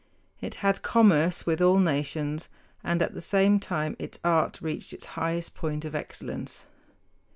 It had commerce with all nations, and at the same time its art reached its highest point of excellence.